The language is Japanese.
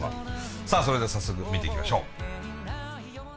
さあそれでは早速見ていきましょう。